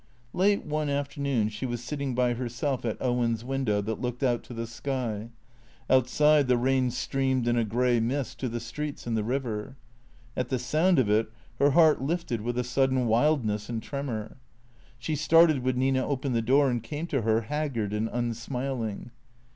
Late one afternoon she was sitting by herself at Owen's win dow that looked out to the sky. Outside the rain streamed in a grey mist to the streets and the river. At the sound of it her heart lifted with a sudden wildness and tremor. She started when Nina opened the door and came to her, haggard and un smiling.